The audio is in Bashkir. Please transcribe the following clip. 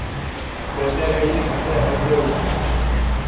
Бәтәрәйе бөтә әтеү.